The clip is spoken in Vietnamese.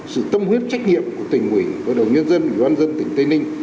sự tâm huyết trách nhiệm của tỉnh nguyễn đồng nhân dân doan dân tỉnh tây ninh